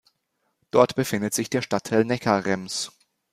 Dort befindet sich der Stadtteil Neckarrems.